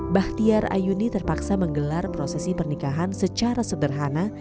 bahtiar ayuni terpaksa menggelar prosesi pernikahan secara sederhana